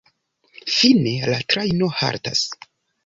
Fine la trajno haltas.